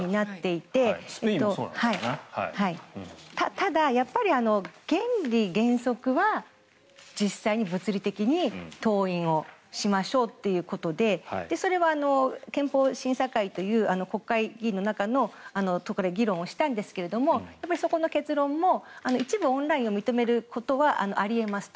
ただ、原理原則は実際に物理的に登院をしましょうということでそれは憲法審査会という国会議員の中で議論をしたんですがそこの結論も一部オンラインを認めることはあり得ますと。